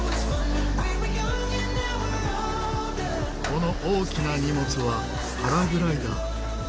この大きな荷物はパラグライダー。